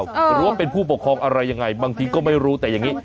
หรือว่าเป็นผู้ปกครองอะไรยังไงบางทีก็ไม่รู้แต่อย่างนี้